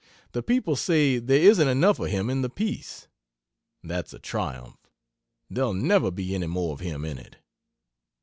The people say there isn't enough of him in the piece. That's a triumph there'll never be any more of him in it.